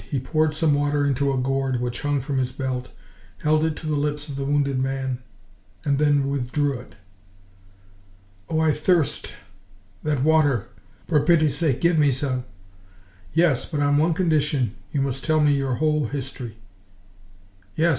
He poured some water into a gourd which hung from his belt, held it to the lips of the wounded man, and then withdrew it. "Oh! I thirst that water! ... For pity's sake, give me some!" "Yes, but on one condition you must tell me your whole history." "Yes